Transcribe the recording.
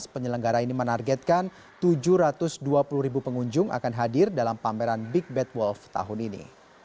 penyelenggara ini menargetkan tujuh ratus dua puluh ribu pengunjung akan hadir dalam pameran big bad wolf tahun ini